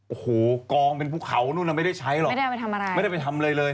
โอ้โฮกองเป็นภูเขานู้นเราไม่ได้ใช้หรอกไม่ได้ไปทำอะไรเลย